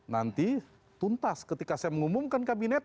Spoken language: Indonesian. nanti tuntas ketika saya mengumumkan kabinet